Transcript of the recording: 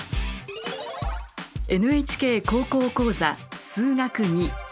「ＮＨＫ高校講座数学Ⅱ」。